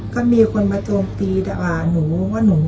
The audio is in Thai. ก็มีคนมาโจมตีดัวก่อนหนูว่าหนูโง่